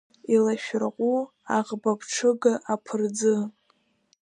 Илашәырҟәы аӷбаԥҽыга аԥырӡы!